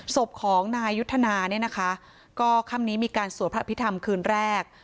ศพของนายยุทธนาเนี่ยนะคะก็ค่ำนี้มีการสวดพระพิธรรมคืนแรก